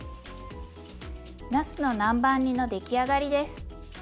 なすの南蛮煮の出来上がりです。